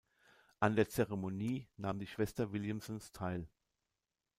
An der Zeremonie nahm die Schwester Williamsons teil.